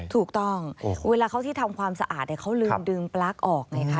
ถูกต้องเวลาเขาที่ทำความสะอาดเขาลืมดึงปลั๊กออกไงคะ